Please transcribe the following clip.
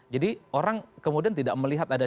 jadi orang kemudian tidak melihat ada